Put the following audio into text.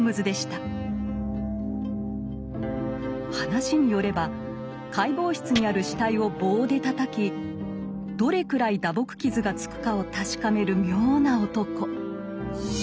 話によれば解剖室にある死体を棒でたたきどれくらい打撲傷がつくかを確かめる妙な男。